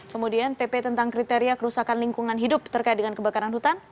kemudian pp tentang kriteria kerusakan lingkungan hidup terkait dengan kebakaran hutan